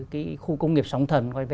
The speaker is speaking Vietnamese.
khu công nghiệp sống thần